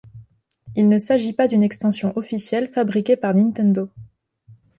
Il ne s'agit pas d'une extension officielle fabriquée par Nintendo.